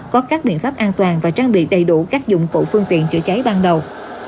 có các biện pháp an toàn và trang bị đầy đủ các dụng cụ phương tiện chữa cháy ban đầu